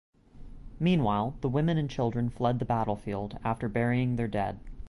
Meanwhile, the women and children fled the battlefield after burying their dead.